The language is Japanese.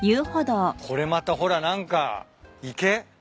これまたほら何か池？